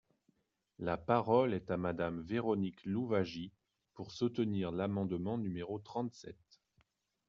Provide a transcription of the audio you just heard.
La parole est à Madame Véronique Louwagie, pour soutenir l’amendement numéro trente-sept.